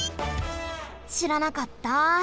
しらなかった！